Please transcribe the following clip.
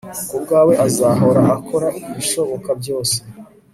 Kubwawe azahora akora ibishoboka byose